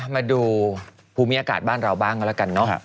มาดูภูมิอากาศบ้านเราบ้างกันแล้วกันเนอะ